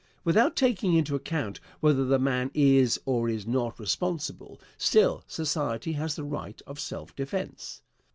Without taking into account whether the man is or is not responsible, still society has the right of self defence.